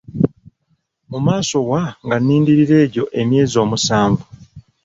Mu maaso wa, nga nnindirira egyo emyezi musanvu?